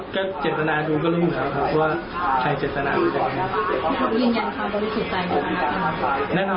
ก็เจ็บสนาดูเรื่องครับว่าใครเจ็บสนาดูตาด